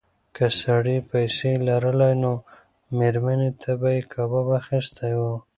که سړي پیسې لرلای نو مېرمنې ته به یې کباب اخیستی و.